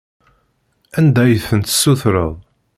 Anda ay tent-tessutreḍ?